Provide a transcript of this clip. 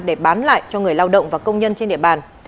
để bán lại cho người lao động và công nhân trên địa bàn